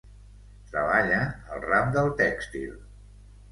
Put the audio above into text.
Treballa al ram del tèxtil.